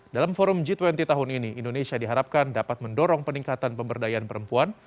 dalam forum g dua puluh tahun ini indonesia diharapkan dapat mendorong peningkatan pemberdayaan perempuan